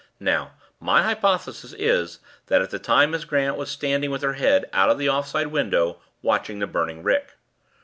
Now my hypothesis is that at that time Miss Grant was standing with her head out of the off side window, watching the burning rick.